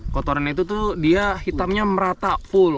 kotoran itu tuh dia hitamnya merata full